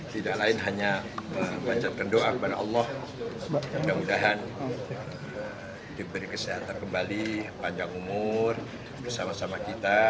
tidak lain hanya mencapkan doa kepada allah mudah mudahan diberi kesehatan kembali panjang umur bersama sama kita